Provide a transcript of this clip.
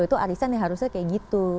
itu arisan yang harusnya kayak gitu